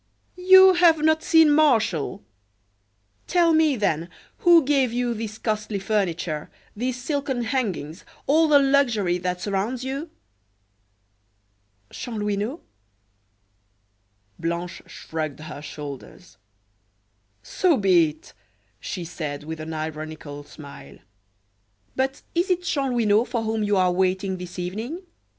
"You have not seen Martial! Tell me, then, who gave you this costly furniture, these silken hangings, all the luxury that surrounds you?" "Chanlouineau." Blanche shrugged her shoulders. "So be it," she said, with an ironical smile, "but is it Chanlouineau for whom you are waiting this evening?